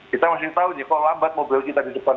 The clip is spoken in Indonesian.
kita masih tahu nih kalau lambat mobil kita di depan